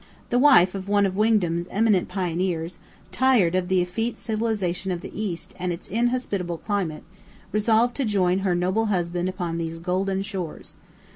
The wife of one of Wingdam's eminent pioneers, tired of the effete civilization of the East and its inhospitable climate, resolved to join her noble husband upon these golden shores.